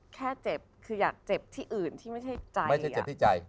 มาถ้าเจ็บที่อื่นที่ไม่ใช่ใจ